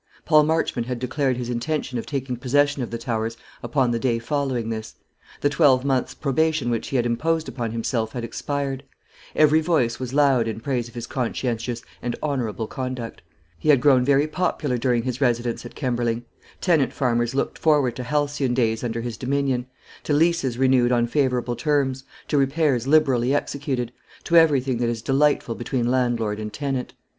Paul Marchmont had declared his intention of taking possession of the Towers upon the day following this. The twelvemonth's probation which he had imposed upon himself had expired; every voice was loud in praise of his conscientious and honourable conduct. He had grown very popular during his residence at Kemberling. Tenant farmers looked forward to halcyon days under his dominion; to leases renewed on favourable terms; to repairs liberally executed; to everything that is delightful between landlord and tenant.